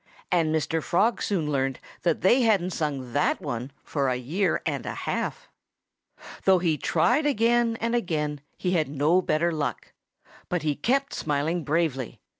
And Mr. Frog soon learned that they hadn't sung that one for a year and a half. Though he tried again and again, he had no better luck. But he kept smiling bravely.